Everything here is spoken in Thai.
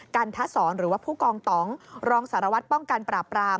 กันทศรหรือว่าผู้กองตองรองสารวัตรป้องกันปราบราม